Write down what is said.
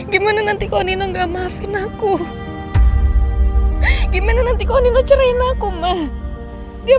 gimana nanti kalau nino nggak maafin aku gimana nanti kalau nino cerain aku mah dia